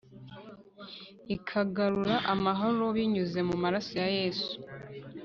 ikagarura amahoro binyuze ku marasoya yesu